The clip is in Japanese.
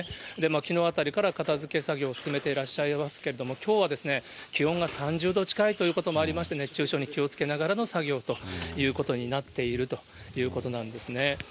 きのうあたりから片づけ作業を進めていらっしゃいますけど、きょうはですね、気温が３０度近いということもありまして、熱中症に気をつけながらの作業ということになっているということなんですね。